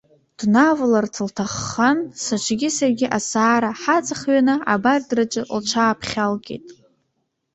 Днаваларц лҭаххан, сыҽгьы саргьы асаара ҳаҵахҩаны, абардраҿы лҽааԥхьалкит.